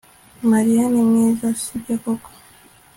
mariya ni mwiza, si byo koko